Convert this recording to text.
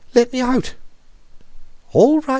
"Let me out!" "All right!